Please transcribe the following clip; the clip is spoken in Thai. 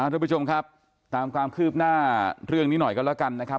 ทุกผู้ชมครับตามความคืบหน้าเรื่องนี้หน่อยกันแล้วกันนะครับ